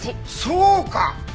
そうか！